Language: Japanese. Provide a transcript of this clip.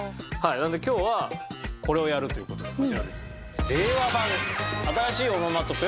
なので今日はこれをやるという事でこちらです。